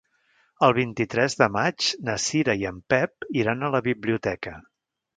El vint-i-tres de maig na Cira i en Pep iran a la biblioteca.